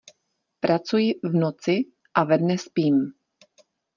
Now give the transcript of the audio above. Pracuji v noci a ve dne spím.